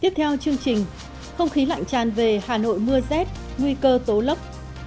tiếp theo chương trình không khí lạnh tràn về hà nội mưa rét nguy cơ tố lốc